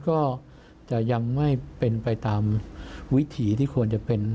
ก็จะยังไม่เป็นไปตามวิถีที่ควรจะเป็น